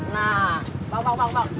nah pak pak pak